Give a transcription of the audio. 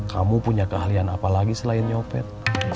kamu punya keahlian apa lagi selain nyopet